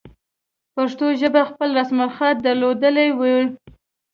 پښتو ژبې خپل رسم الخط درلودلی وو.